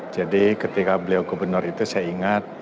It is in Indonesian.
jadi ketika beliau gubernur itu saya ingat